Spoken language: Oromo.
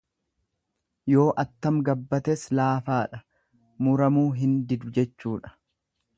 Yoo attam gabbates laafaadha muramuu hin didu jechuudha.